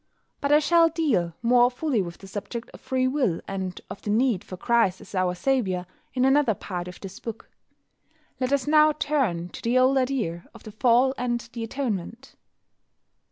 But I shall deal more fully with the subject of Free Will, and of the need for Christ as our Saviour, in another part of this book. Let us now turn to the old idea of the Fall and the Atonement.